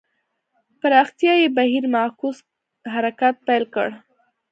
پراختیايي بهیر معکوس حرکت پیل کړ.